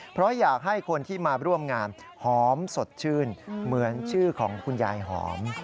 เพราะอยากให้คนที่มาร่วมงานหอมสดชื่นเหมือนชื่อของคุณยายหอม